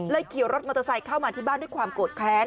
ขี่รถมอเตอร์ไซค์เข้ามาที่บ้านด้วยความโกรธแค้น